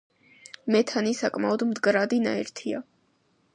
მეთანი საკმაოდ მდგრადი ნაერთია.